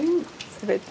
全て。